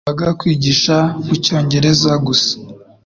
byadusabaga kwigisha mu Cyongereza gusa